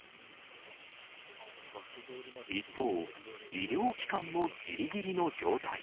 一方、医療機関もぎりぎりの状態。